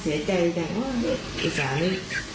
อ๋อเสียใจจังหว่าอีสานนี่